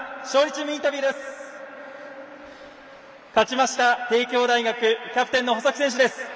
勝ちました帝京大学キャプテンの細木選手です。